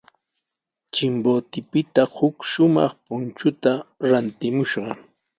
Chimbotepita huk shumaq punchuta rantimushqa.